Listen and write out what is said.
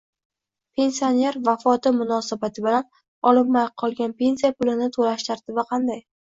Pensioner vafoti munosabati bilan olinmay qolgan pensiya pulini to‘lash tartibi qanday?